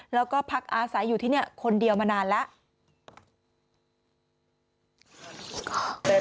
แล้วก็พักอาศัยอยู่ที่นี่คนเดียวมานานแล้ว